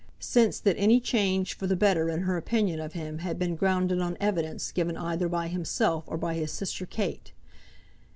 Since that any change for the better in her opinion of him had been grounded on evidence given either by himself or by his sister Kate.